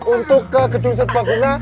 untuk ke gedung sepak guna